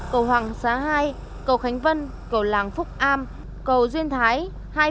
cầu hoàng xá hai cầu khánh vân cầu làng phúc am cầu duyên thái